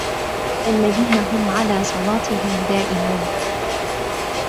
الذين هم على صلاتهم دائمون